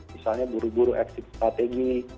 misalnya buru buru exit strategi